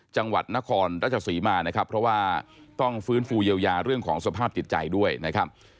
จังหวัดนครราชศรีมานะครับเพราะว่าต้องฟื้นฟูเยียวยาเรื่องของสภาพจิตใจด้วยนะครับ